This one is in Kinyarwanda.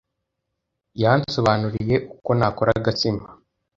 Yansobanuriye uko nakora agatsima.